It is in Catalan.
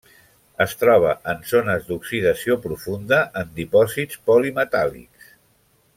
Es troba en zones d'oxidació profunda en dipòsits polimetàl·lics.